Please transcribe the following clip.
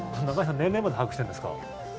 年齢まで把握してるんですか？